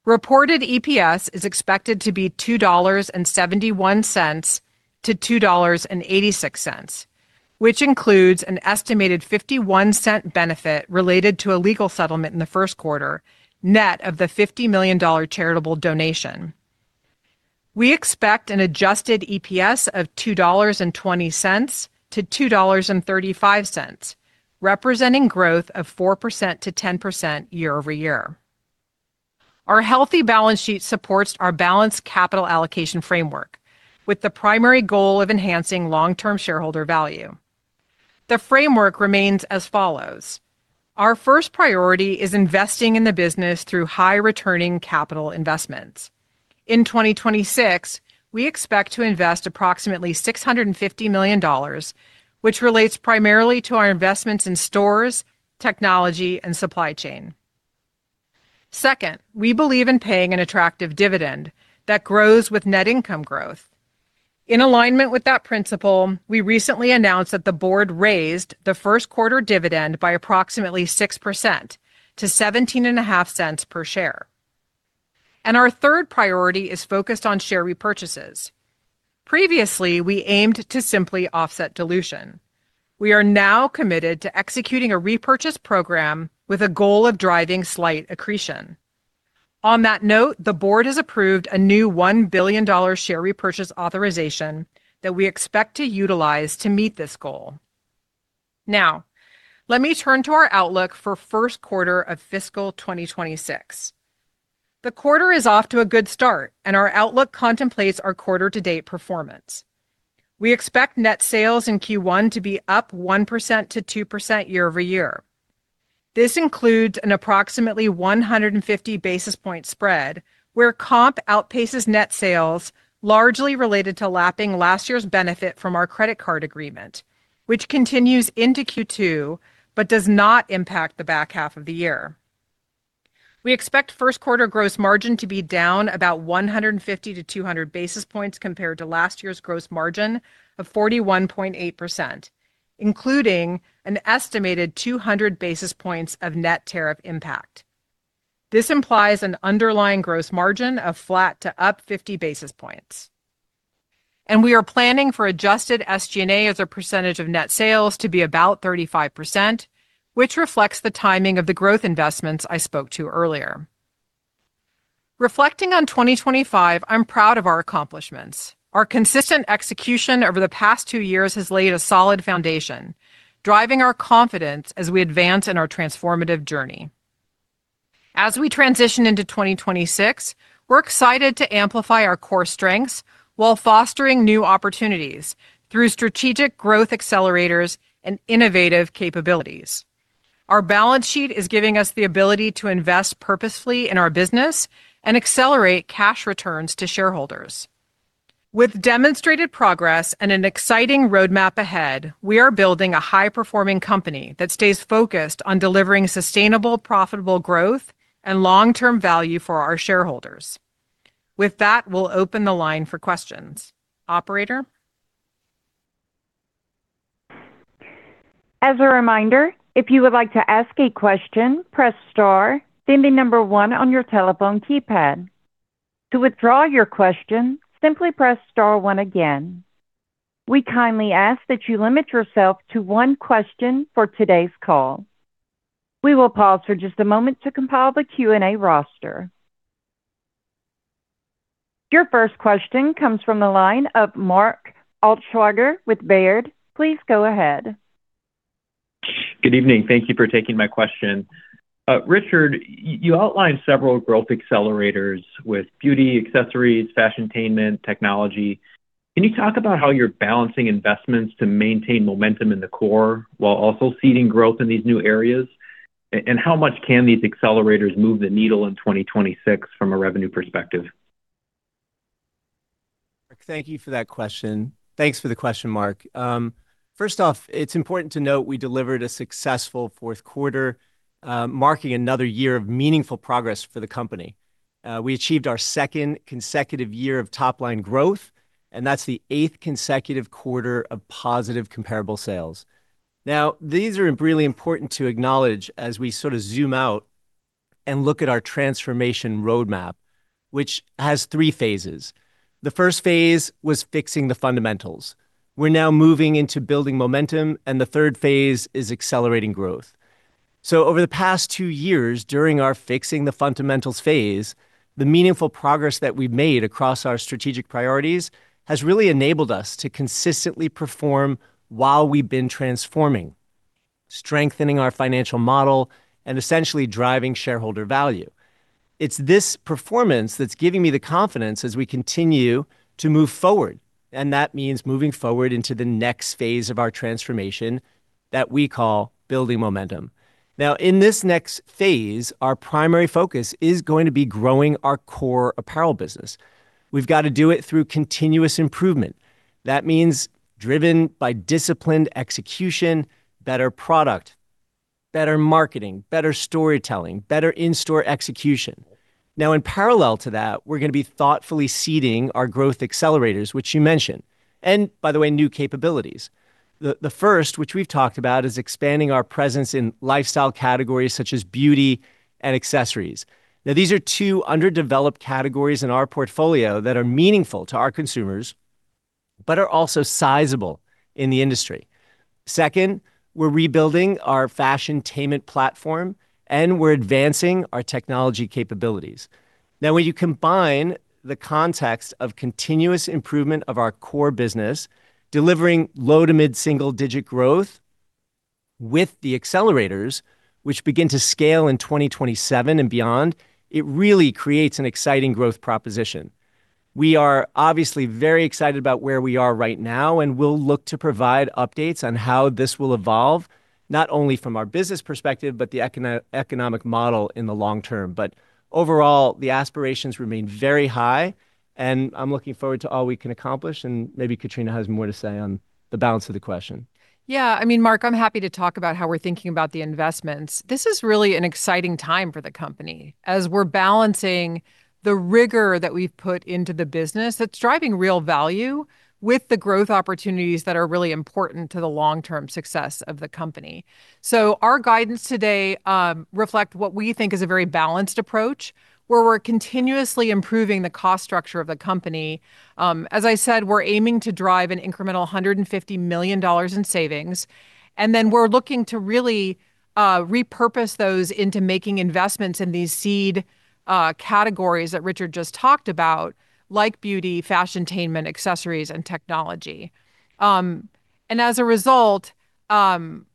Reported EPS is expected to be $2.71-$2.86, which includes an estimated $0.51 benefit related to a legal settlement in the first quarter, net of the $50 million charitable donation. We expect an adjusted EPS of $2.20-$2.35, representing growth of 4%-10% year-over-year. Our healthy balance sheet supports our balanced capital allocation framework with the primary goal of enhancing long-term shareholder value. The framework remains as follows. Our first priority is investing in the business through high returning capital investments. In 2026, we expect to invest approximately $650 million, which relates primarily to our investments in stores, technology and supply chain. Second, we believe in paying an attractive dividend that grows with net income growth. In alignment with that principle, we recently announced that the board raised the first quarter dividend by approximately 6% to $0.175 per share. Our third priority is focused on share repurchases. Previously, we aimed to simply offset dilution. We are now committed to executing a repurchase program with a goal of driving slight accretion. On that note, the board has approved a new $1 billion share repurchase authorization that we expect to utilize to meet this goal. Let me turn to our outlook for first quarter of fiscal 2026. The quarter is off to a good start. Our outlook contemplates our quarter to date performance. We expect net sales in Q1 to be up 1%-2% year-over-year. This includes an approximately 150 basis point spread where comp outpaces net sales largely related to lapping last year's benefit from our credit card agreement, which continues into Q2 but does not impact the back half of the year. We expect first quarter gross margin to be down about 150 basis points-200 basis points compared to last year's gross margin of 41.8%, including an estimated 200 basis points of net tariff impact. This implies an underlying gross margin of flat to up 50 basis points. We are planning for adjusted SG&A as a percentage of net sales to be about 35%, which reflects the timing of the growth investments I spoke to earlier. Reflecting on 2025, I'm proud of our accomplishments. Our consistent execution over the past two years has laid a solid foundation, driving our confidence as we advance in our transformative journey. As we transition into 2026, we're excited to amplify our core strengths while fostering new opportunities through strategic growth accelerators and innovative capabilities. Our balance sheet is giving us the ability to invest purposefully in our business and accelerate cash returns to shareholders. With demonstrated progress and an exciting roadmap ahead, we are building a high-performing company that stays focused on delivering sustainable, profitable growth and long-term value for our shareholders. With that, we'll open the line for questions. Operator. As a reminder, if you would like to ask a question, press star, then the number one on your telephone keypad. To withdraw your question, simply press star one again. We kindly ask that you limit yourself to one question for today's call. We will pause for just a moment to compile the Q&A roster. Your first question comes from the line of Mark Altschwager with Baird. Please go ahead. Good evening. Thank you for taking my question. Richard, you outlined several growth accelerators with beauty, accessories, fashiontainment, technology. Can you talk about how you're balancing investments to maintain momentum in the core while also seeding growth in these new areas? How much can these accelerators move the needle in 2026 from a revenue perspective? Thank you for that question. Thanks for the question, Mark. First off, it's important to note we delivered a successful fourth quarter, marking another year of meaningful progress for the company. We achieved our second consecutive year of top-line growth, and that's the eighth consecutive quarter of positive comparable sales. These are really important to acknowledge as we sort of zoom out and look at our transformation roadmap, which has three phases. The first phase was fixing the fundamentals. We're now moving into building momentum, and the third phase is accelerating growth. Over the past three years, during our fixing the fundamentals phase, the meaningful progress that we've made across our strategic priorities has really enabled us to consistently perform while we've been transforming, strengthening our financial model and essentially driving shareholder value. It's this performance that's giving me the confidence as we continue to move forward. That means moving forward into the next phase of our transformation that we call building momentum. In this next phase, our primary focus is going to be growing our core apparel business. We've got to do it through continuous improvement. That means driven by disciplined execution, better product, better marketing, better storytelling, better in-store execution. In parallel to that, we're gonna be thoughtfully seeding our growth accelerators, which you mentioned. By the way, new capabilities. The first, which we've talked about, is expanding our presence in lifestyle categories such as beauty and accessories. These are two underdeveloped categories in our portfolio that are meaningful to our consumers but are also sizable in the industry. Second, we're rebuilding our Fashiontainment platform. We're advancing our technology capabilities. When you combine the context of continuous improvement of our core business, delivering low to mid-single digit growth with the accelerators, which begin to scale in 2027 and beyond, it really creates an exciting growth proposition. We are obviously very excited about where we are right now, and we'll look to provide updates on how this will evolve, not only from our business perspective but the econo-economic model in the long term. Overall, the aspirations remain very high, and I'm looking forward to all we can accomplish, and maybe Katrina has more to say on the balance of the question. Yeah. I mean, Mark, I'm happy to talk about how we're thinking about the investments. This is really an exciting time for the company as we're balancing the rigor that we've put into the business that's driving real value with the growth opportunities that are really important to the long-term success of the company. Our guidance today, reflect what we think is a very balanced approach, where we're continuously improving the cost structure of the company. As I said, we're aiming to drive an incremental $150 million in savings, and then we're looking to really repurpose those into making investments in these seed categories that Richard just talked about, like beauty, fashiontainment, accessories, and technology. As a result,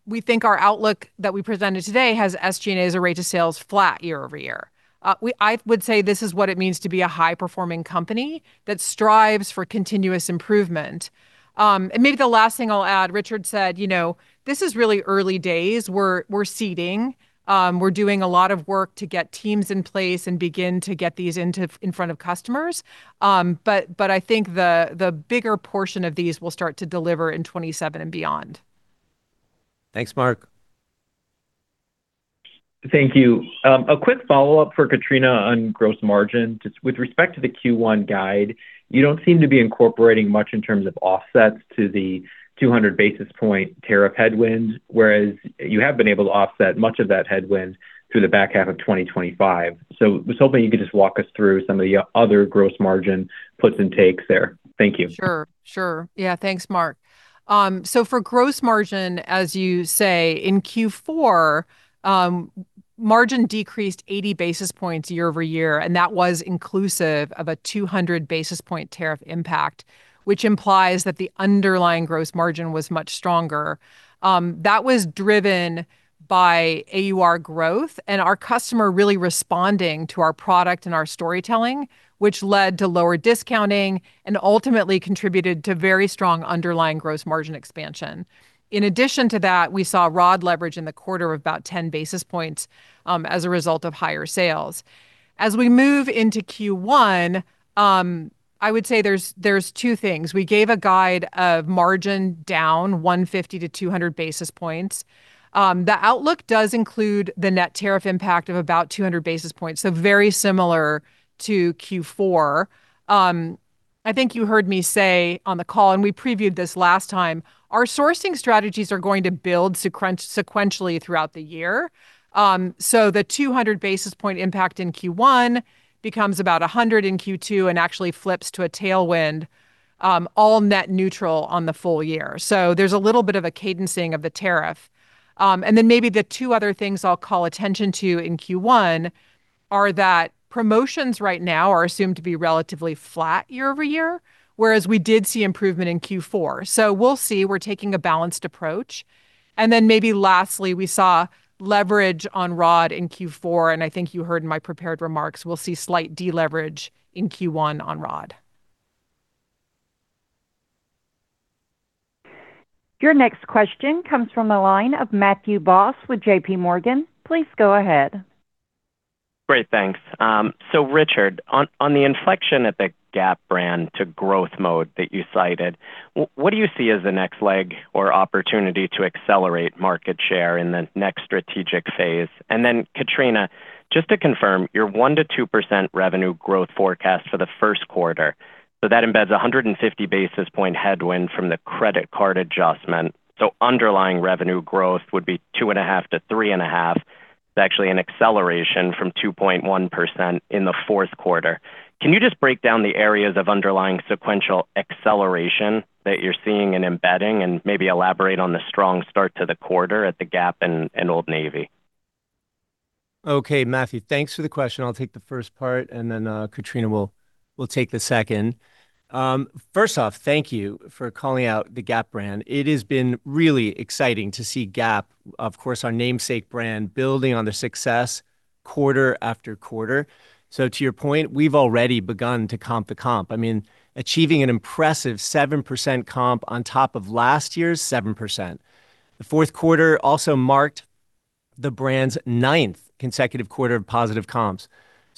we think our outlook that we presented today has SG&A as a rate of sales flat year-over-year. I would say this is what it means to be a high-performing company that strives for continuous improvement. Maybe the last thing I'll add, Richard said, you know, this is really early days. We're seeding. We're doing a lot of work to get teams in place and begin to get these in front of customers. I think the bigger portion of these will start to deliver in 2027 and beyond. Thanks, Mark. Thank you. A quick follow-up for Katrina on gross margin. Just with respect to the Q1 guide, you don't seem to be incorporating much in terms of offsets to the 200 basis point tariff headwind, whereas you have been able to offset much of that headwind through the back half of 2025. I was hoping you could just walk us through some of the other gross margin puts and takes there. Thank you. Sure, sure. Yeah. Thanks, Mark. For gross margin, as you say, in Q4, margin decreased 80 basis points year-over-year, and that was inclusive of a 200 basis point tariff impact, which implies that the underlying gross margin was much stronger. That was driven by AUR growth and our customer really responding to our product and our storytelling, which led to lower discounting and ultimately contributed to very strong underlying gross margin expansion. In addition to that, we saw ROD leverage in the quarter of about 10 basis points, as a result of higher sales. As we move into Q1, I would say there's two things. We gave a guide of margin down 150 basis points-200 basis points. The outlook does include the net tariff impact of about 200 basis points, so very similar to Q4. I think you heard me say on the call, and we previewed this last time, our sourcing strategies are going to build sequentially throughout the year. The 200 basis point impact in Q1 becomes about 100 in Q2 and actually flips to a tailwind, all net neutral on the full year. There's a little bit of a cadencing of the tariff. Maybe the two other things I'll call attention to in Q1 are that promotions right now are assumed to be relatively flat year-over-year, whereas we did see improvement in Q4. We'll see. We're taking a balanced approach. Maybe lastly, we saw leverage on ROD in Q4, and I think you heard in my prepared remarks, we'll see slight deleverage in Q1 on ROD. Your next question comes from the line of Matthew Boss with JPMorgan. Please go ahead. Great. Thanks. Richard, on the inflection at the Gap brand to growth mode that you cited, what do you see as the next leg or opportunity to accelerate market share in the next strategic phase? Katrina, just to confirm, your 1%-2% revenue growth forecast for the first quarter, so that embeds a 150 basis point headwind from the credit card adjustment. Underlying revenue growth would be 2.5%-3.5%. It's actually an acceleration from 2.1% in the fourth quarter. Can you just break down the areas of underlying sequential acceleration that you're seeing and embedding and maybe elaborate on the strong start to the quarter at the Gap and Old Navy? Okay, Matthew, thanks for the question. I'll take the first part, then Katrina will take the second. First off, thank you for calling out the Gap brand. It has been really exciting to see Gap, of course, our namesake brand, building on their success quarter after quarter. To your point, we've already begun to comp the comp. I mean, achieving an impressive 7% comp on top of last year's 7%. The fourth quarter also marked the brand's ninth consecutive quarter of positive comps.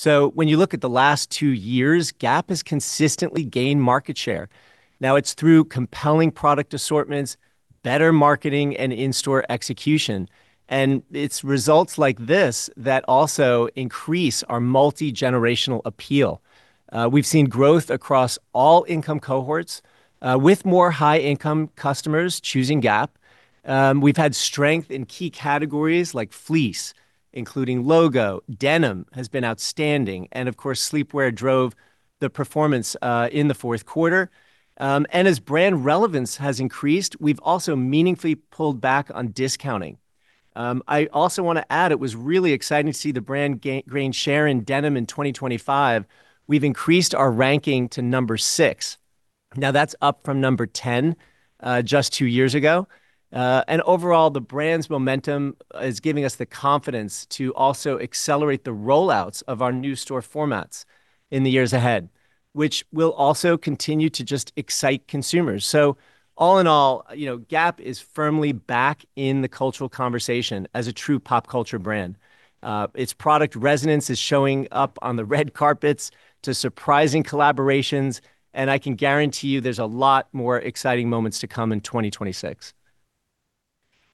When you look at the last two years, Gap has consistently gained market share. Now it's through compelling product assortments, better marketing, and in-store execution. It's results like this that also increase our multi-generational appeal. We've seen growth across all income cohorts, with more high-income customers choosing Gap. We've had strength in key categories like fleece, including logo. Denim has been outstanding. Of course, sleepwear drove the performance in the fourth quarter. As brand relevance has increased, we've also meaningfully pulled back on discounting. I also wanna add it was really exciting to see the brand gain share in denim in 2025. We've increased our ranking to number six. Now that's up from number 10, just two years ago. Overall, the brand's momentum is giving us the confidence to also accelerate the rollouts of our new store formats in the years ahead, which will also continue to just excite consumers. All in all, you know, Gap is firmly back in the cultural conversation as a true pop culture brand. Its product resonance is showing up on the red carpets to surprising collaborations, and I can guarantee you there's a lot more exciting moments to come in 2026.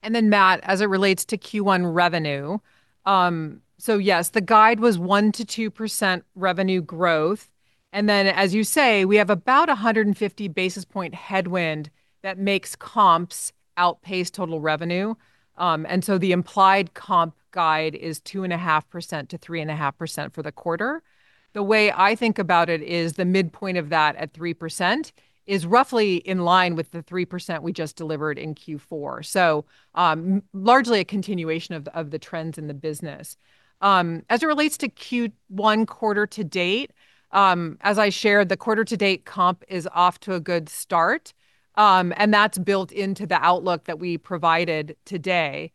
Matt, as it relates to Q1 revenue, so yes, the guide was 1%-2% revenue growth, then as you say, we have about 150 basis point headwind that makes comps outpace total revenue. The implied comp guide is 2.5%-3.5% for the quarter. The way I think about it is the midpoint of that at 3% is roughly in line with the 3% we just delivered in Q4. Largely a continuation of the trends in the business. As it relates to Q1 quarter to date, as I shared, the quarter to date comp is off to a good start, and that's built into the outlook that we provided today.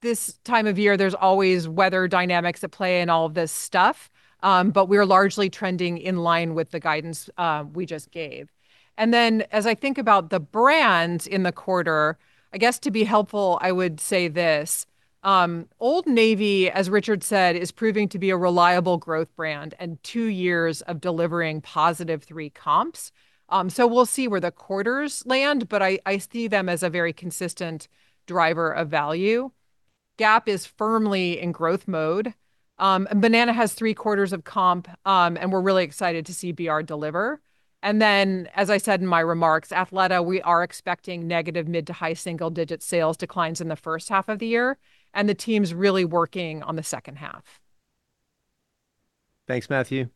This time of year, there's always weather dynamics at play in all of this stuff, we're largely trending in line with the guidance we just gave. As I think about the brand in the quarter, I guess to be helpful, I would say this: Old Navy, as Richard said, is proving to be a reliable growth brand and two years of delivering +3 comps. We'll see where the quarters land, I see them as a very consistent driver of value. Gap is firmly in growth mode. Banana has three-quarters of comp, we're really excited to see BR deliver. As I said in my remarks, Athleta, we are expecting negative mid to high single-digit sales declines in the first half of the year, the team's really working on the second half. Thanks, Matthew.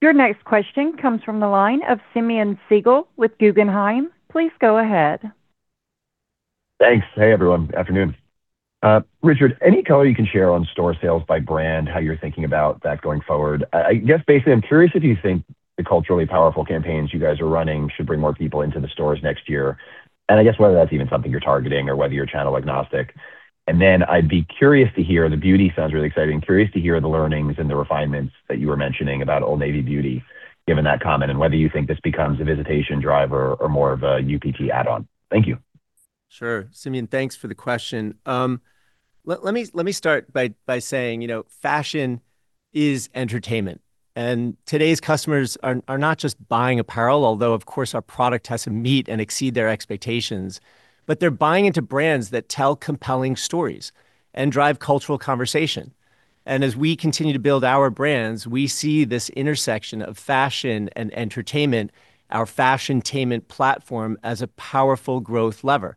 Your next question comes from the line of Simeon Siegel with Guggenheim. Please go ahead. Thanks. Hey, everyone. Afternoon. Richard, any color you can share on store sales by brand, how you're thinking about that going forward? I guess basically I'm curious if you think the culturally powerful campaigns you guys are running should bring more people into the stores next year, and I guess whether that's even something you're targeting or whether you're channel agnostic. Then I'd be curious to hear. The beauty sounds really exciting. Curious to hear the learnings and the refinements that you were mentioning about Old Navy Beauty, given that comment, and whether you think this becomes a visitation driver or more of a UPT add-on. Thank you. Sure. Simeon, thanks for the question. Let me start by saying, you know, fashion is entertainment, and today's customers are not just buying apparel, although of course our product has to meet and exceed their expectations, but they're buying into brands that tell compelling stories and drive cultural conversation. As we continue to build our brands, we see this intersection of fashion and entertainment, our fashion-tainment platform, as a powerful growth lever.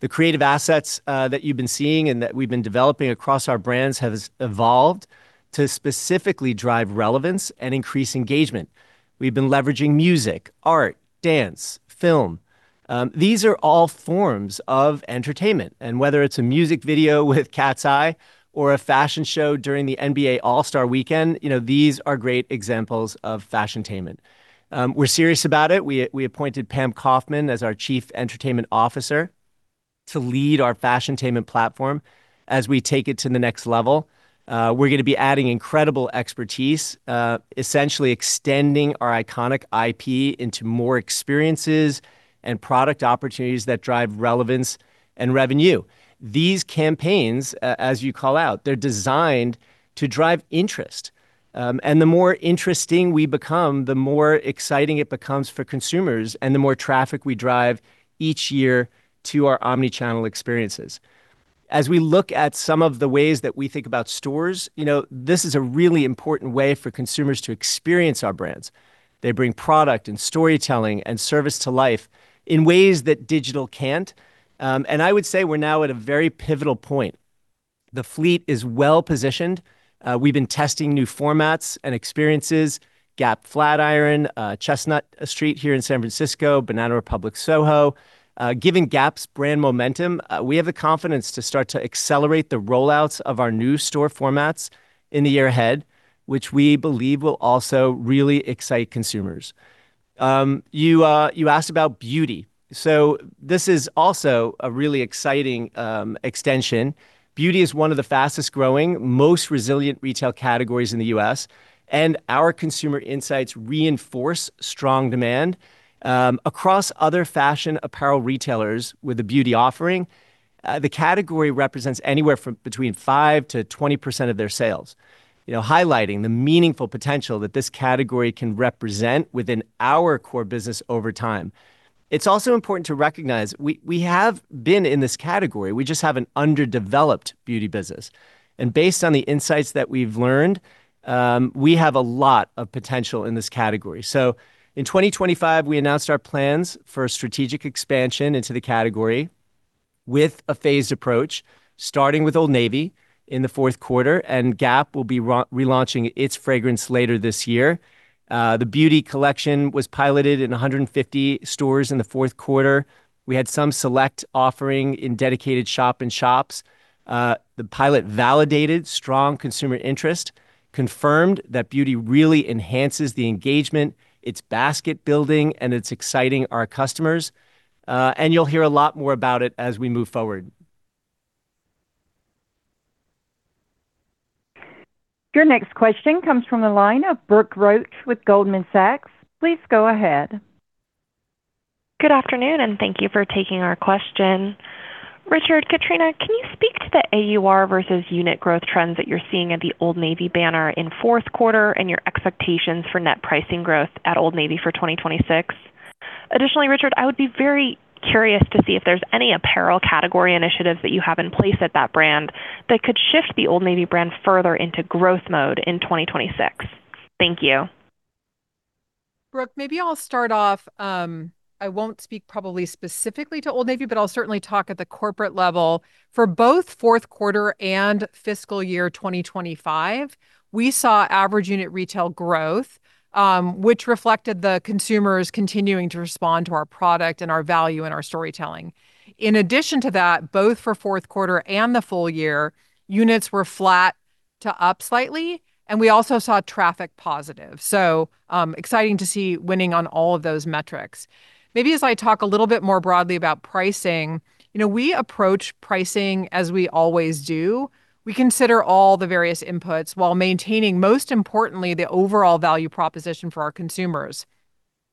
The creative assets that you've been seeing and that we've been developing across our brands have evolved to specifically drive relevance and increase engagement. We've been leveraging music, art, dance, film. These are all forms of entertainment, and whether it's a music video with KATSEYE or a fashion show during the NBA All-Star Weekend, you know, these are great examples of fashion-tainment. We're serious about it. We appointed Pam Kaufman as our Chief Entertainment Officer to lead our Fashiontainment platform as we take it to the next level. We're gonna be adding incredible expertise, essentially extending our iconic IP into more experiences and product opportunities that drive relevance and revenue. These campaigns, as you call out, they're designed to drive interest, the more interesting we become, the more exciting it becomes for consumers and the more traffic we drive each year to our omni-channel experiences. As we look at some of the ways that we think about stores, you know, this is a really important way for consumers to experience our brands. They bring product and storytelling and service to life in ways that digital can't, I would say we're now at a very pivotal point. The fleet is well-positioned. We've been testing new formats and experiences, Gap Flatiron, Chestnut Street here in San Francisco, Banana Republic Soho. Given Gap's brand momentum, we have the confidence to start to accelerate the rollouts of our new store formats in the year ahead, which we believe will also really excite consumers. You asked about beauty. This is also a really exciting extension. Beauty is one of the fastest-growing, most resilient retail categories in the U.S., and our consumer insights reinforce strong demand across other fashion apparel retailers with a beauty offering. The category represents anywhere from between 5%-20% of their sales, you know, highlighting the meaningful potential that this category can represent within our core business over time. It's also important to recognize we have been in this category. We just have an underdeveloped beauty business. Based on the insights that we've learned, we have a lot of potential in this category. In 2025, we announced our plans for strategic expansion into the category with a phased approach, starting with Old Navy in the fourth quarter, and Gap will be relaunching its fragrance later this year. The beauty collection was piloted in 150 stores in the fourth quarter. We had some select offering in dedicated shop and shops. The pilot validated strong consumer interest, confirmed that beauty really enhances the engagement, it's basket-building, and it's exciting our customers, and you'll hear a lot more about it as we move forward. Your next question comes from the line of Brooke Roach with Goldman Sachs. Please go ahead. Good afternoon. Thank you for taking our question. Richard, Katrina, can you speak to the AUR versus unit growth trends that you're seeing at the Old Navy banner in fourth quarter and your expectations for net pricing growth at Old Navy for 2026? Richard, I would be very curious to see if there's any apparel category initiatives that you have in place at that brand that could shift the Old Navy brand further into growth mode in 2026. Thank you. Brooke, maybe I'll start off. I won't speak probably specifically to Old Navy, but I'll certainly talk at the corporate level. For both fourth quarter and fiscal year 2025, we saw average unit retail growth, which reflected the consumers continuing to respond to our product and our value and our storytelling. In addition to that, both for fourth quarter and the full year, units were flat to up slightly, and we also saw traffic positive. Exciting to see winning on all of those metrics. Maybe as I talk a little bit more broadly about pricing, you know, we approach pricing as we always do. We consider all the various inputs while maintaining, most importantly, the overall value proposition for our consumers.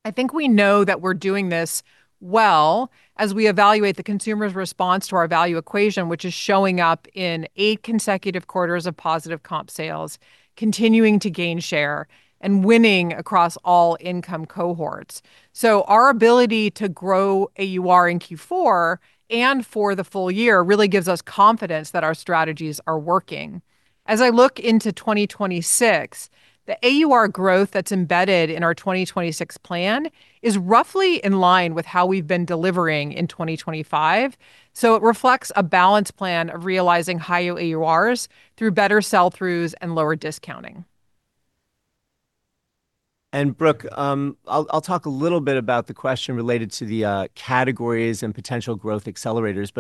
I think we know that we're doing this well as we evaluate the consumer's response to our value equation, which is showing up in eight consecutive quarters of positive comp sales, continuing to gain share, and winning across all income cohorts. Our ability to grow AUR in Q4 and for the full year really gives us confidence that our strategies are working. As I look into 2026, the AUR growth that's embedded in our 2026 plan is roughly in line with how we've been delivering in 2025. It reflects a balanced plan of realizing higher AURs through better sell-throughs and lower discounting. Brooke, I'll talk a little bit about the question related to the categories and potential growth accelerators.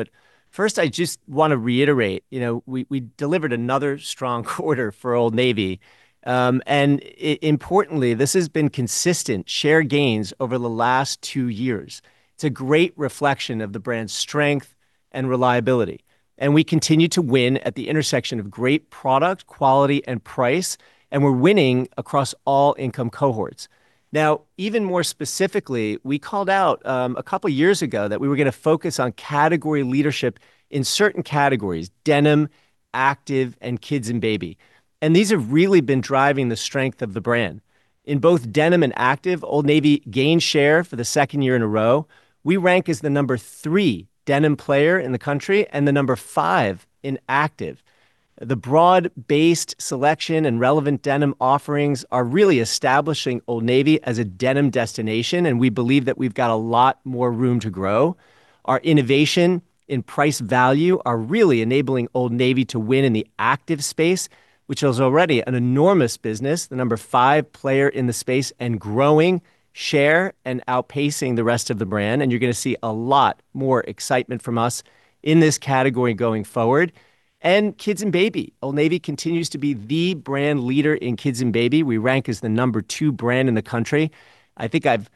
First, I just wanna reiterate, you know, we delivered another strong quarter for Old Navy. Importantly, this has been consistent share gains over the last two years. It's a great reflection of the brand's strength and reliability, and we continue to win at the intersection of great product, quality, and price, and we're winning across all income cohorts. Now, even more specifically, we called out a couple years ago that we were gonna focus on category leadership in certain categories: denim, active, and kids and baby. These have really been driving the strength of the brand. In both denim and active, Old Navy gained share for the second year in a row. We rank as the number three denim player in the country and the number five in active. The broad-based selection and relevant denim offerings are really establishing Old Navy as a denim destination. We believe that we've got a lot more room to grow. Our innovation and price value are really enabling Old Navy to win in the active space, which is already an enormous business, the number five player in the space, and growing share and outpacing the rest of the brand, and you're gonna see a lot more excitement from us in this category going forward. Kids and baby, Old Navy continues to be the brand leader in kids and baby. We rank as the number two brand in the country. I think I've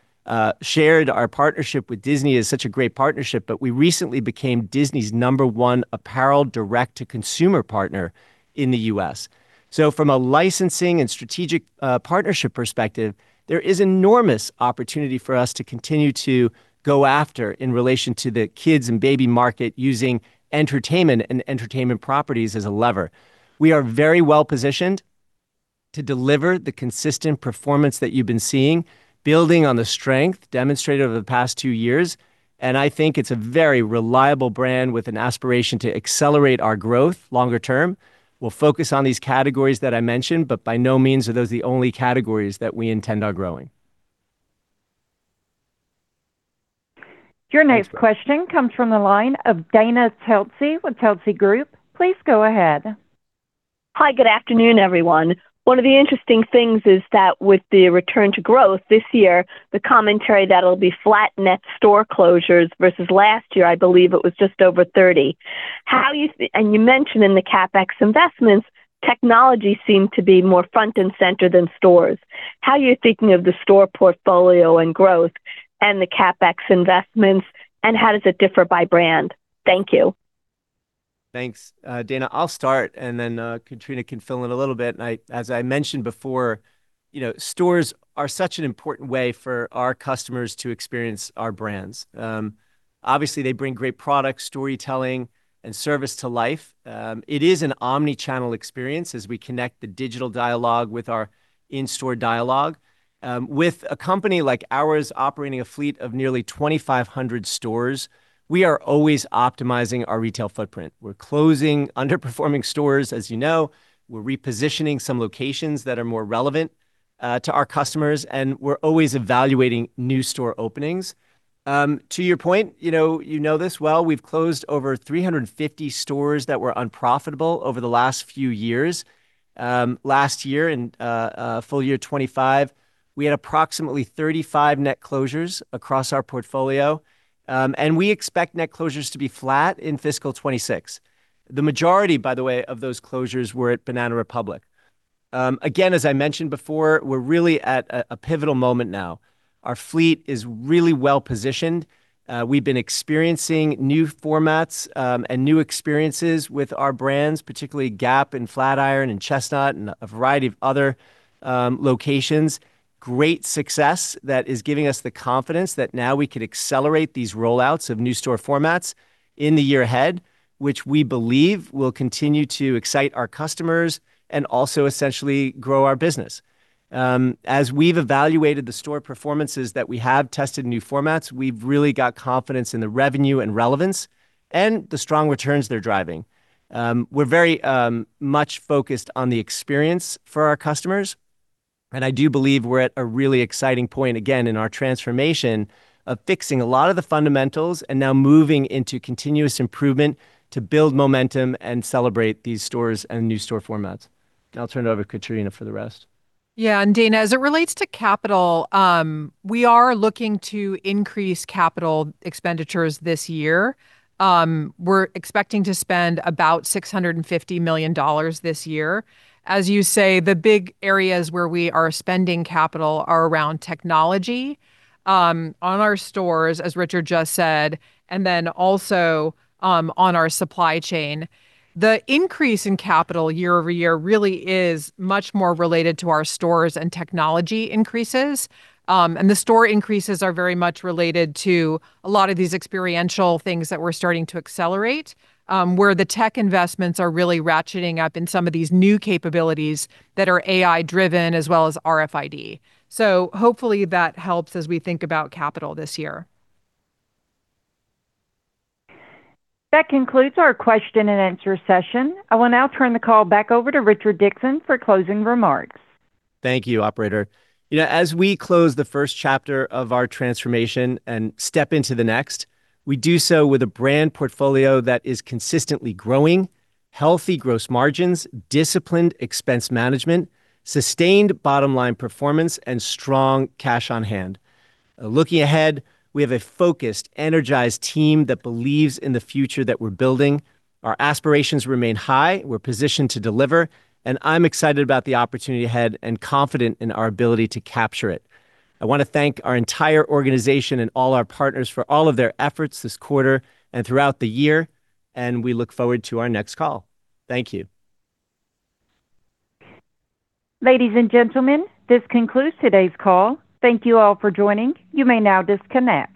shared our partnership with Disney as such a great partnership. We recently became Disney's number one apparel direct-to-consumer partner in the U.S. From a licensing and strategic partnership perspective, there is enormous opportunity for us to continue to go after in relation to the kids and baby market using entertainment and entertainment properties as a lever. We are very well positioned to deliver the consistent performance that you've been seeing, building on the strength demonstrated over the past two years. I think it's a very reliable brand with an aspiration to accelerate our growth longer term. We'll focus on these categories that I mentioned. By no means are those the only categories that we intend on growing. Your next question comes from the line of Dana Telsey with Telsey Group. Please go ahead. Hi, good afternoon, everyone. One of the interesting things is that with the return to growth this year, the commentary that'll be flat net store closures versus last year, I believe it was just over 30. You mentioned in the CapEx investments, technology seemed to be more front and center than stores. How are you thinking of the store portfolio and growth and the CapEx investments, and how does it differ by brand? Thank you. Thanks, Dana. I'll start and then Katrina can fill in a little bit. As I mentioned before, you know, stores are such an important way for our customers to experience our brands. Obviously, they bring great product, storytelling, and service to life. It is an omni-channel experience as we connect the digital dialogue with our in-store dialogue. With a company like ours operating a fleet of nearly 2,500 stores, we are always optimizing our retail footprint. We're closing underperforming stores, as you know, we're repositioning some locations that are more relevant to our customers, and we're always evaluating new store openings. To your point, you know, you know this well, we've closed over 350 stores that were unprofitable over the last few years. Last year in full year 2025, we had approximately 35 net closures across our portfolio. We expect net closures to be flat in fiscal 2026. The majority, by the way, of those closures were at Banana Republic. Again, as I mentioned before, we're really at a pivotal moment now. Our fleet is really well-positioned. We've been experiencing new formats and new experiences with our brands, particularly Gap and Flatiron and Chestnut and a variety of other locations. Great success that is giving us the confidence that now we can accelerate these rollouts of new store formats in the year ahead, which we believe will continue to excite our customers and also essentially grow our business. As we've evaluated the store performances that we have tested in new formats, we've really got confidence in the revenue and relevance and the strong returns they're driving. We're very much focused on the experience for our customers, and I do believe we're at a really exciting point again in our transformation of fixing a lot of the fundamentals and now moving into continuous improvement to build momentum and celebrate these stores and new store formats. I'll turn it over to Katrina for the rest. Yeah. Dana, as it relates to capital, we are looking to increase capital expenditures this year. We're expecting to spend about $650 million this year. As you say, the big areas where we are spending capital are around technology, on our stores, as Richard just said, and then also on our supply chain. The increase in capital year-over-year really is much more related to our stores and technology increases. And the store increases are very much related to a lot of these experiential things that we're starting to accelerate, where the tech investments are really ratcheting up in some of these new capabilities that are AI-driven as well as RFID. Hopefully that helps as we think about capital this year. That concludes our question and answer session. I will now turn the call back over to Richard Dickson for closing remarks. Thank you, operator. You know, as we close the first chapter of our transformation and step into the next, we do so with a brand portfolio that is consistently growing, healthy gross margins, disciplined expense management, sustained bottom line performance, and strong cash on hand. Looking ahead, we have a focused, energized team that believes in the future that we're building. Our aspirations remain high, we're positioned to deliver, and I'm excited about the opportunity ahead and confident in our ability to capture it. I wanna thank our entire organization and all our partners for all of their efforts this quarter and throughout the year. We look forward to our next call. Thank you. Ladies and gentlemen, this concludes today's call. Thank you all for joining. You may now disconnect.